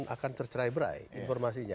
akan tercerai berai informasinya